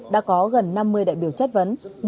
đã có gần năm mươi đại biểu chất vấn